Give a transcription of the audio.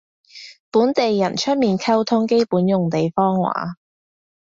本地人出面溝通基本用地方話